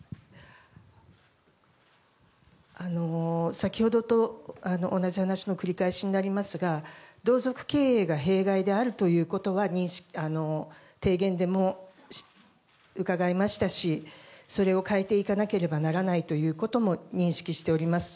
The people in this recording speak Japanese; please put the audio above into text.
先ほどと同じ話の繰り返しになりますが同族経営が弊害であるということは提言でも伺いましたしそれを変えていかなければならないということも認識しております。